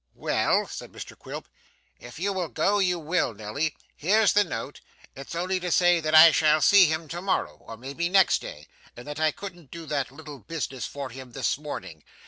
'Well,' said Mr Quilp, 'if you will go, you will, Nelly. Here's the note. It's only to say that I shall see him to morrow or maybe next day, and that I couldn't do that little business for him this morning.